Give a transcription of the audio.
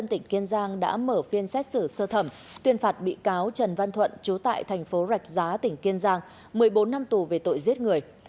tỉnh kiên giang đã mở phiên xét xử sơ thẩm tuyên phạt bị cáo trần văn thuận trú tại thành phố rạch giá tỉnh kiên giang một mươi bốn năm tù về tội giết người